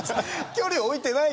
距離置いてないけど。